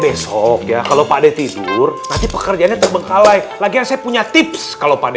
besok ya kalau pade tidur nanti pekerjaannya terbengkalai lagi saya punya tips kalau pade